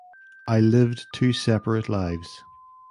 I lived two separate lives.